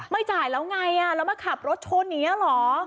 ไม่จ่ายแล้วไงแล้วมาขับรถชนอย่างนี้เหรอ